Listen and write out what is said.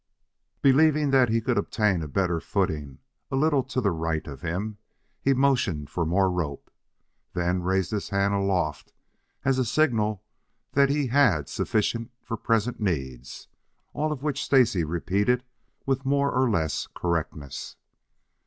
Believing that he could obtain a better footing a little to the right of him, he motioned for more rope, then raised his hand aloft as a signal that he had sufficient for present needs, all of which Stacy repeated with more or less correctness.